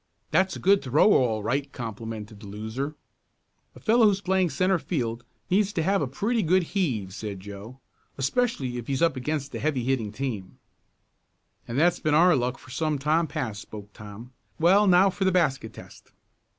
"That's a good throw all right," complimented the loser. "A fellow who's playing centre field needs to have a pretty good heave," said Joe. "Especially if he's up against a heavy hitting team." "And that's been our luck for some time past," spoke Tom. "Well, now for the basket test."